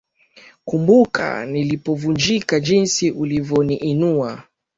Nakumbuka nilipovunjika jinsi ulivyoniinua